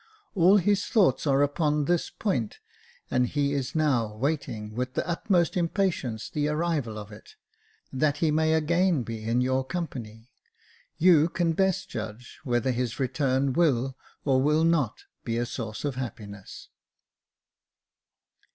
All his thoughts are upon this point, and he is now waiting with the utmost im patience the arrival of it, that he may again be in your company ; you can best judge whether his return will or will not be a source of happiness."